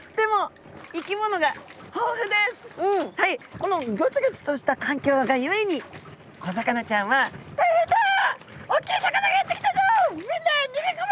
このギョツギョツとした環境がゆえに小魚ちゃんは「大変だ！おっきい魚がやって来たぞ。みんな逃げ込め！